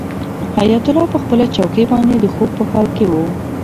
حیات الله په خپله چوکۍ باندې د خوب په حال کې و.